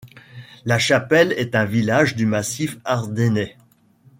La Chapelle est un village du massif ardennais.